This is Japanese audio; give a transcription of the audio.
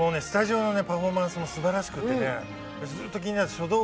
スタジオのパフォーマンスもすばらしくてずっと気になってた。